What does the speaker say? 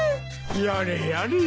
やれやれ。